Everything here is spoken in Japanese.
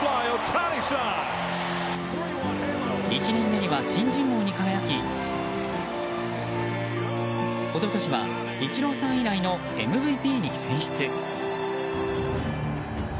１年目には新人王に輝き一昨年はイチローさん以来のＭＶＰに選出。